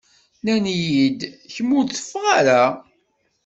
Nnan-iyi-d kemm ur teffeɣ ara.